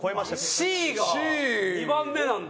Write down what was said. Ｃが２番目なんだ。